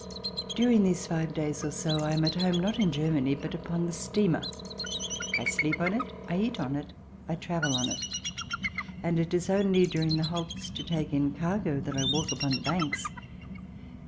During these five days or so I am at home, not in Germany, but upon the steamer. I sleep on it, I eat on it, I travel on it, and it is only during the halts to take in cargo that I walk upon the banks.